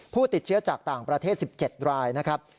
ผู้ติดเชื้อจากต่างประเทศ๑๗รายนะครับ